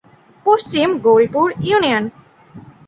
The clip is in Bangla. পশ্চিম গৌরীপুর ইউনিয়ন।